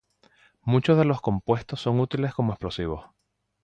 Muchos de los compuestos son útiles como explosivos.